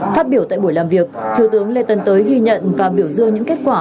phát biểu tại buổi làm việc thiếu tướng lê tân tới ghi nhận và biểu dương những kết quả